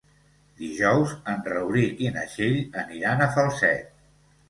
Dijous en Rauric i na Txell aniran a Falset.